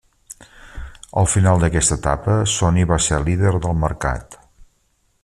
Al final d'aquesta etapa, Sony va ser líder del mercat.